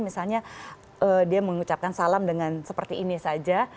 misalnya dia mengucapkan salam dengan seperti ini saja